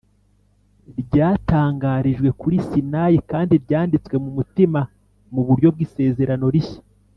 ryatangarijwe kuri sinayi kandi ryanditswe mu mutima mu buryo bw’isezerano rishya